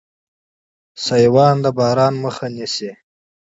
چترۍ د باران مخه نیسي